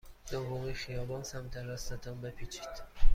دومین خیابان سمت راست تان بپیچید.